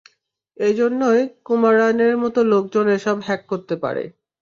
এজন্যই কুমারানের মতো লোকজন এসব হ্যাক করতে পারে।